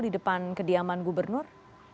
di depan kediaman gubernur